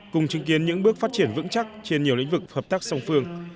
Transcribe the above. cùng chứng kiến những bước phát triển vững chắc trên nhiều lĩnh vực hợp tác song phương